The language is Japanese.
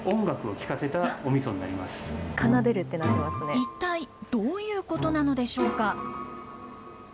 一体どういうことなのでしょうか。